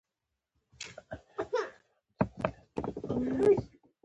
له مفتي صاحب سره باید اړیکه ونیول شي.